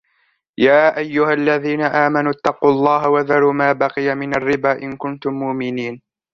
يا أيها الذين آمنوا اتقوا الله وذروا ما بقي من الربا إن كنتم مؤمنين